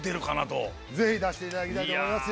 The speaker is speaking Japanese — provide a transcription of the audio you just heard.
ぜひ出していただきたいと思います。